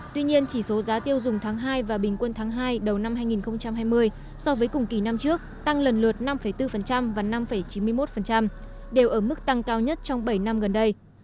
tuy nhiên chỉ số giá tiêu dùng tháng hai và bình quân tháng hai đầu năm hai nghìn hai mươi so với cùng kỳ năm trước tăng lần lượt năm bốn và năm chín mươi một đều ở mức tăng cao nhất trong bảy năm gần đây